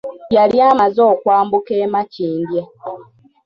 Yali amaze okwambuka e Makindye